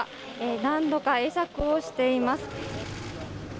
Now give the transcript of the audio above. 何度か会釈をしています。